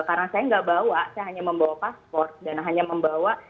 karena saya nggak bawa saya hanya membawa paspor dan hanya membawa email balasan